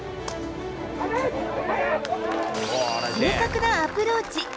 正確なアプローチ。